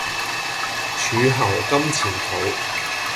柱侯金錢肚